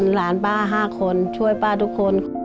หลานป้า๕คนช่วยป้าทุกคน